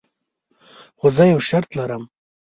خو زه یو شرط لرم.